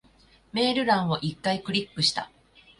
メール欄を一回クリックした。